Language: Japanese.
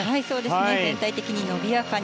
全体的に伸びやかに。